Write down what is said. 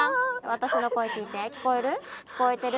私の声聞いて聞こえる？